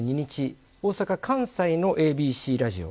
大阪、関西のＡＢＣラジオ